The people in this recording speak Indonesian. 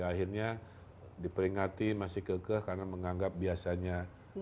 akhirnya diperingati masih kekeh karena menganggap biasanya